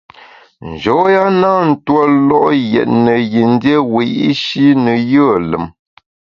Njoya na tue lo’ yètne yin dié wiyi’shi ne yùe lùm.